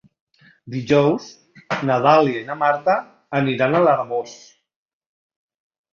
Dijous na Dàlia i na Marta aniran a l'Arboç.